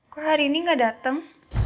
kok hari ini gak datang